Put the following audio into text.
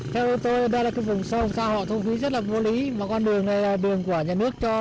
theo tôi đây là cái vùng sông sao họ thu phí rất là vô lý mà con đường này là đường của nhà nước cho